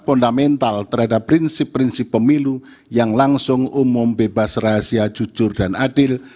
fundamental terhadap prinsip prinsip pemilu yang langsung umum bebas rahasia jujur dan adil